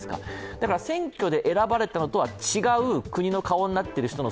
だから選挙で選ばれたのとは違う国の顔になっている人の